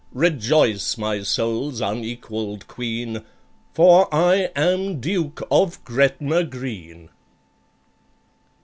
Rejoice, my soul's unequalled Queen, For I am DUKE OF GRETNA GREEN!"